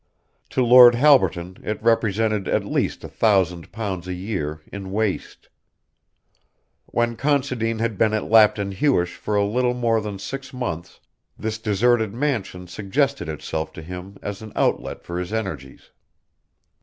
To Lord Halberton it represented at least a thousand pounds a year in waste. When Considine had been at Lapton Huish for a little more than six months this deserted mansion suggested itself to him as an outlet for his energies.